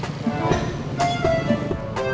uang kecil apa